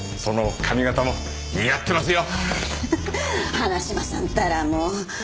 花島さんったらもう。